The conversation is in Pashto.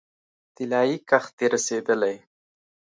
طلايي کښت دې رسیدلی